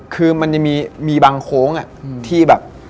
คือมันยังมีบางโค้งอะ